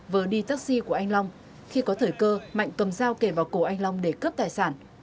vừa đi taxi của anh long khi có thời cơ mạnh cầm dao kể vào cổ anh long để cướp tài sản